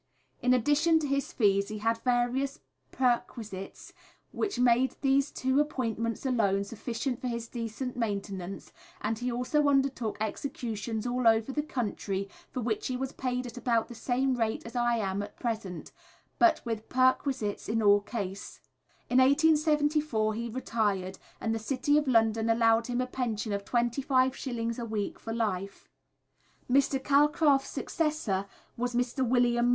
In addition to his fees he had various perquisites, which made these two appointments alone sufficient for his decent maintenance, and he also undertook executions all over the country, for which he was paid at about the same rate as I am at present, but with perquisites in all cases. In 1874 he retired, and the City of London allowed him a pension of twenty five shillings a week for life. Mr. Calcraft's successor was Mr. Wm.